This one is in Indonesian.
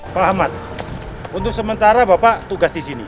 pak ahmad untuk sementara bapak tugas disini